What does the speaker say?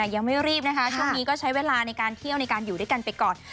ยังไม่รีบนะคะช่วงนี้ก็ใช้เวลาในการเที่ยวในการอยู่ด้วยกันไปก่อน